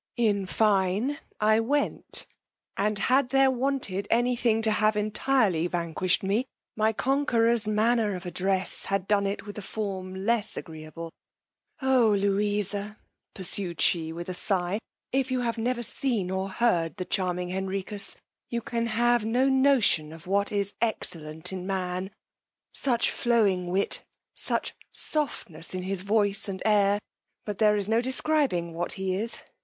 In fine, I went, and had there wanted any thing to have entirely vanquished me, my conqueror's manner of address had done it with a form less agreeable. O Louisa, pursued she with a sigh, if you have never seen or heard the charming Henricus, you can have no notion of what is excellent in man; such flowing wit; such softness in his voice and air; but there is no describing what he is.